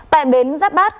tại bến giáp bát